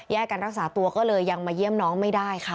การรักษาตัวก็เลยยังมาเยี่ยมน้องไม่ได้ค่ะ